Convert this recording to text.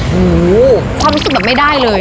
หูความรู้สึกแบบไม่ได้เลย